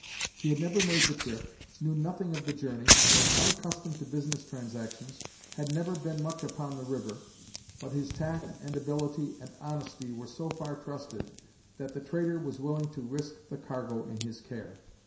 He had never made the trip, knew nothing of the journey, was unaccustomed to business transactions, had never been much upon the river, but his tact and ability and honesty were so far trusted that the trader was willing to risk the cargo in his care.